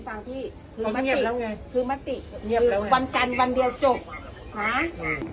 ไม่คุยเสียงดัง